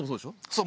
そう。